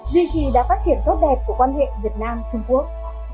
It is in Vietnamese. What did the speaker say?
duy trì đá phát triển tốt đẹp của quan hệ việt nam trung quốc